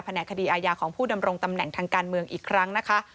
แหนกคดีอาญาของผู้ดำรงตำแหน่งทางการเมืองอีกครั้งนะคะ